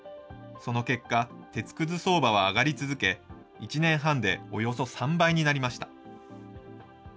その結果、鉄くず相場は上がり続け、１年半でおよそ３倍になりました。